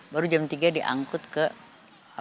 baru jam tiga diangkut ke